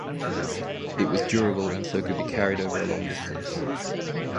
It was durable and so could be carried over a long distance.